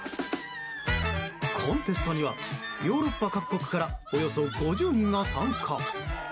コンテストにはヨーロッパ各国からおよそ５０人が参加。